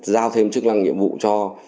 giao thêm chức năng nhiệm vụ cho